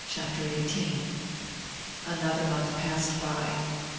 CHAPTER XVIII Another month passed by.